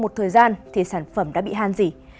một thời gian thì sản phẩm đã bị hàn dỉ